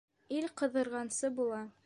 Ил ҡыҙырған һынсы була